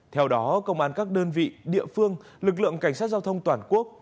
theo đó công an các đơn vị địa phương lực lượng cảnh sát giao thông toàn quốc